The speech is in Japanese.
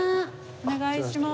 お願いします。